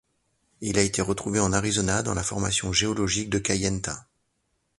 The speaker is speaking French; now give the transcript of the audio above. Il a été retrouvé en Arizona, dans la formation géologique de Kayenta.